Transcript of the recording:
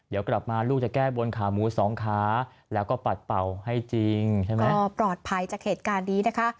เดี๋ยวกลับมาลูกจะแก้บนขาหมูสองขาแล้วก็ปัดเป่าให้จริงใช่ไหมพอปลอดภัยจากเหตุการณ์นี้นะคะ